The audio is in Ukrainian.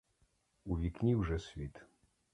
У вікні вже світ.